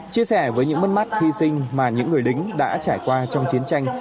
chia sẻ với những mất mắt hy sinh mà những người lính đã trải qua trong chiến tranh